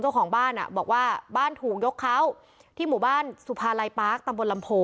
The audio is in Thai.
เจ้าของบ้านอ่ะบอกว่าบ้านถูกยกเขาที่หมู่บ้านสุภาลัยปาร์คตำบลลำโพ